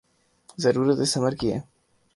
ضرورت اس امر کی ہے